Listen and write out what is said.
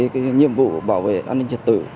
cái nhiệm vụ bảo vệ an ninh trật tử